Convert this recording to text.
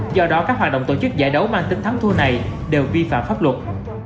do đó các hoạt động tổ chức giải đấu mang tính thắng thua này đều vi phạm pháp luật